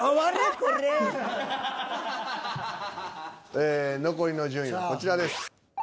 ええ残りの順位はこちらです。